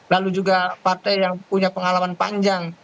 lalu juga partai yang punya pengalaman panjang